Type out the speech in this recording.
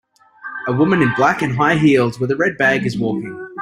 A woman in black and high heels with a red bag is walking.